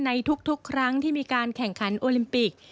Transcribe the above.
ในทุกครั้งที่มีการแข่งขันโอลิมปิก